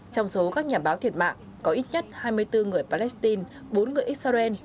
trong số các nhà báo thiệt mạng có ít nhất hai mươi bốn người palestine bốn người israel